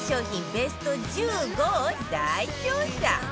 ベスト１５を大調査